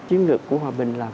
chiến lược của hòa bình là